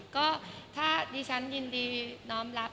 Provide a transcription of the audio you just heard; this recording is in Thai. ก็ถ้าดิฉันยินดีน้อมรับ